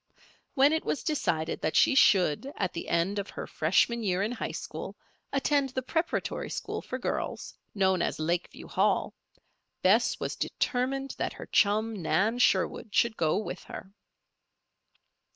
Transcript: When it was decided that she should, at the end of her freshman year in high school, attend the preparatory school for girls, known as Lakeview Hall, Bess was determined that her chum, Nan Sherwood, should go with her.